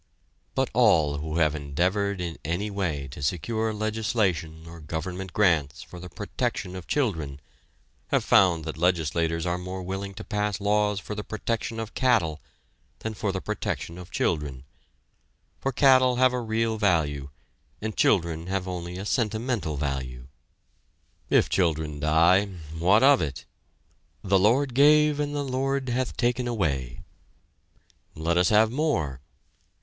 But all who have endeavored in any way to secure legislation or government grants for the protection of children, have found that legislators are more willing to pass laws for the protection of cattle than for the protection of children, for cattle have a real value and children have only a sentimental value. If children die what of it? "The Lord gave and the Lord hath taken away." Let us have more.